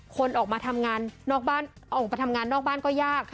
คนออกมาทำงานนอกบ้านออกมาทำงานนอกบ้านก็ยาก